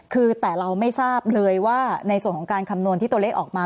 คือแต่เราไม่ทราบเลยว่าในส่วนของการคำนวณที่ตัวเลขออกมา